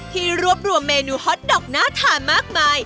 ที่รวบรวมเมนูฮอตดอกน่าทานมากมาย